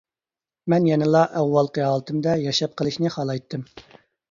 مەن يەنىلا ئاۋۋالقى ھالىتىمدە ياشاپ قېلىشنى خالايتتىم.